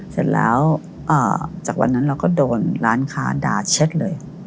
เสร็จแล้วจากวันนั้นเราก็โดนร้านค้าด่าเช็ดเลย